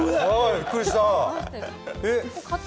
びっくりした！